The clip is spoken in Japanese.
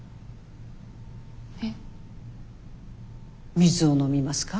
水を飲みますか？